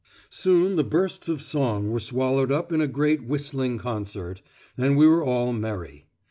Soon the bursts of song were swallowed up in a great whistling concert, and we were all merry.